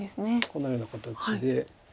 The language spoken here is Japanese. このような形で。